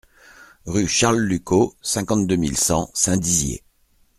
Rue Charles Lucot, cinquante-deux mille cent Saint-Dizier